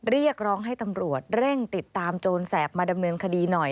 เรียกร้องให้ตำรวจเร่งติดตามโจรแสบมาดำเนินคดีหน่อย